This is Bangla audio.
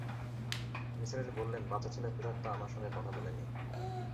নিসার আলি বললেন, বাচ্চা ছেলের প্রেতাত্মা আমার সঙ্গে কথা বলে নি।